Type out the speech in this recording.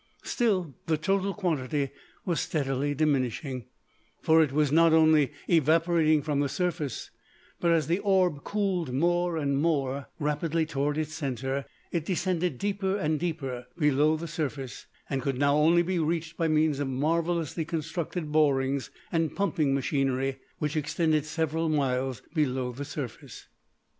Still the total quantity was steadily diminishing, for it was not only evaporating from the surface, but, as the orb cooled more and more rapidly towards its centre, it descended deeper and deeper below the surface, and could now only be reached by means of marvellously constructed borings and pumping machinery which extended several miles below the surface.